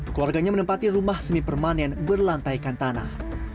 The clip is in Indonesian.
keluarganya menempati rumah semi permanen berlantaikan tanah